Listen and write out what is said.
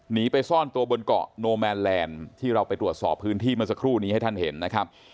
หนีไปซ่อนตัวบนเกาะโนแมนแลนด์ที่เราไปตรวจสอบพื้นที่เมื่อสักครู่นี้ให้ท่านเห็นนะครับ